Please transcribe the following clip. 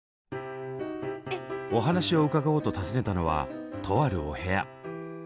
お話を伺おうと訪ねたのはとあるお部屋。